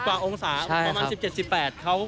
๑๐กว่าองศาประมาณ๑๗๑๘